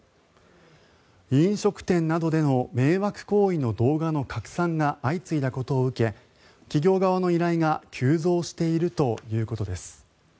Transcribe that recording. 飲食店などでの迷惑行為の動画の拡散が相次いだことを受け企業側の依頼が急増しているということです。